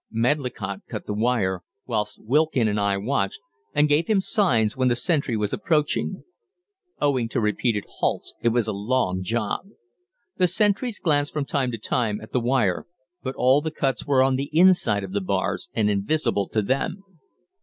Medlicott cut the wire, whilst Wilkin and I watched and gave him signs when the sentry was approaching. Owing to repeated halts, it was a long job. The sentries glanced from time to time at the wire, but all the cuts were on the inside of the bars and invisible to them.